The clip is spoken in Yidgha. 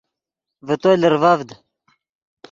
ڤے تو لرڤڤد